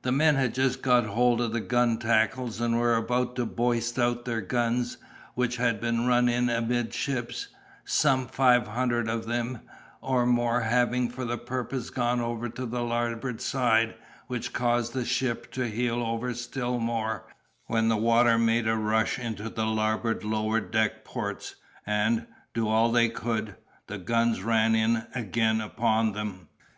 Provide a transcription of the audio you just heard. The men had just got hold of the gun tackles, and were about to bowse out their guns which had been run in amidship, some five hundred of them or more having for the purpose gone over to the larboard side, which caused the ship to heel over still more, when the water made a rush into the larboard lower deck ports, and, do all they could, the guns ran in again upon them.